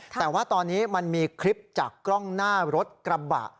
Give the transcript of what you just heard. แต่ว่าตอนนี้มันมีคลิปจากกล้องหน้ารถกระบะ